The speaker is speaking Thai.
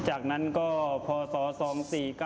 จากนั้นก็พอสอสอม๔๙๘